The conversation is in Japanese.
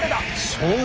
そう。